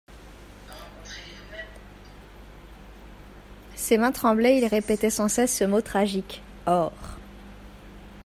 Ses mains tremblaient et il répétait sans cesse ce mot tragique : OR.